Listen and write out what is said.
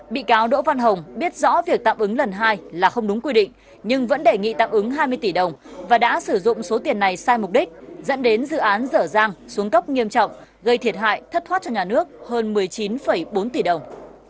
bị cáo đỗ văn hồng biết rõ việc tạm ứng lần hai là không đúng quy định nhưng vẫn đề nghị tạm ứng hai mươi tỷ đồng và đã sử dụng số tiền này sai mục đích dẫn đến dự án dở dàng xuống cấp nghiêm trọng gây thiệt hại thất thoát cho nhà nước hơn một mươi chín bốn tỷ đồng